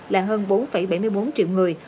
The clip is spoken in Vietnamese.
là hơn bốn bảy mươi bốn triệu người